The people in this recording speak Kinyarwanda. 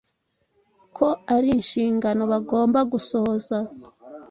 ko ari inshingano bagomba gusohoza.